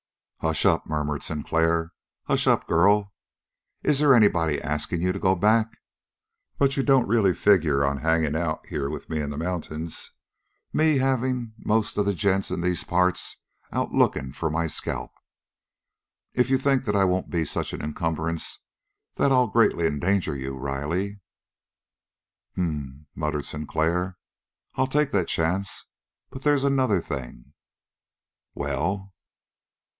"Hush up," murmured Sinclair. "Hush up, girl. Is they anybody asking you to go back? But you don't really figure on hanging out here with me in the mountains, me having most of the gents in these parts out looking for my scalp?" "If you think I won't be such an encumbrance that I'll greatly endanger you, Riley." "H'm," muttered Sinclair. "I'll take that chance, but they's another thing." "Well?"